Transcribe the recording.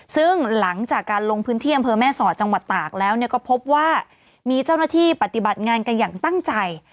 ซึ่งหลังจากการลงพื้นที่อำเภอแม่สอดจังหวัดตากแล้วก็พบว่ามีเจ้าหน้าที่ปฏิบัติงานกันอย่างตั้งใจ